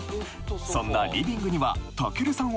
そんなリビングには武尊さん